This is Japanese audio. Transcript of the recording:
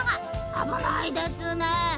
あぶないですね。